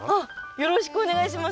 よろしくお願いします。